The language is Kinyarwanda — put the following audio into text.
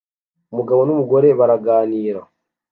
Umugabo n'umugore baraganira